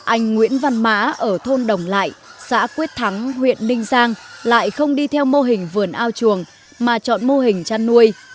anh nguyễn văn mã ở thôn đồng lại xã quyết thắng huyện ninh giang lại không đi theo mô hình vườn ao chuồng mà chọn mô hình chăn nuôi